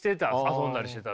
遊んだりしてた。